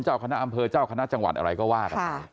เจ้าคณะอำเภอเจ้าคณะจังหวัดอะไรก็ว่ากัน